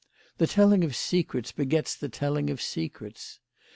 The telling of secrets begets the telling of secrets.